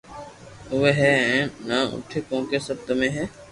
آوي ھي ھين نھ آوئي ڪونڪھ سب تمي ھي